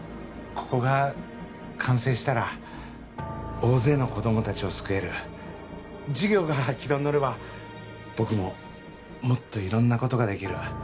ここが完成したら大勢の子ども達を救える事業が軌道に乗れば僕ももっと色んなことができる